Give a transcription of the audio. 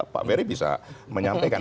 pak ferry bisa menyampaikan